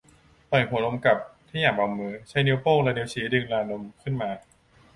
ปล่อยหัวนมกลับที่อย่างเบามือ ใช้นิ้วโป้งและนิ้วชี้ดึงลานนมขึ้นมา